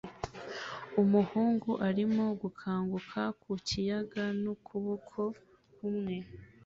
Umuhungu arimo gukanguka ku kiyaga n'ukuboko kumwe